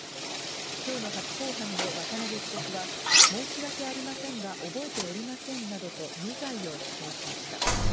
きょうの初公判で渡部被告は、申し訳ありませんが、覚えておりませんなどと、無罪を主張しました。